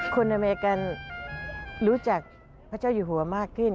อเมริกันรู้จักพระเจ้าอยู่หัวมากขึ้น